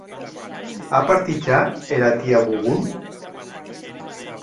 A partit ja era tia Bougon?